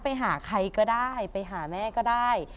ไปหาใครก็ได้ไปหาแม่ก็ได้